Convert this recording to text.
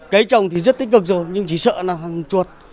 cây trồng thì rất tích cực rồi nhưng chỉ sợ là hàng chuột